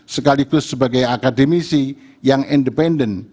sekaligus sebagai akademisi yang independen